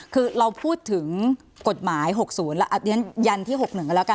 คือเราพูดถึงกฎหมายหกศูนย์ยันที่หกหนึ่งแล้วกัน